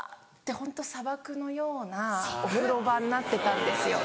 ホント砂漠のようなお風呂場になってたんですよ。